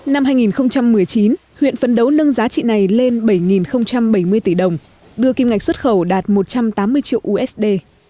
năm hai nghìn một mươi chín huyện phấn đấu nâng giá trị này lên bảy bảy mươi tỷ đồng đưa kim ngạch xuất khẩu đạt một trăm tám mươi triệu usd